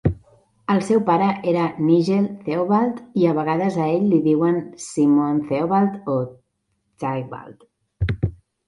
El seu pare era Nigel Theobald i, a vegades, a ell li diuen Simon Theobald o Tybald.